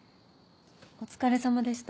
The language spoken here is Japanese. お疲れさまでした。